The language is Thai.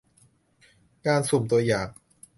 การสุ่มตัวอย่าง